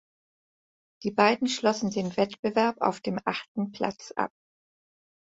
Die Beiden schlossen den Wettbewerb auf dem achten Platz ab.